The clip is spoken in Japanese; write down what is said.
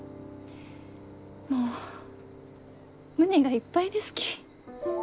もう胸がいっぱいですき。